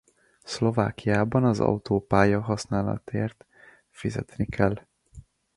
Szlovákiában az autópálya használatért fizetni kell.